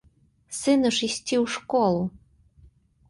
Сыну ж ісці ў школу!